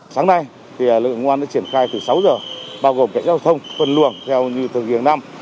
sáng nay lực lượng công an đã triển khai từ sáu giờ bao gồm cảnh giao thông phân luồng theo như thường giềng năm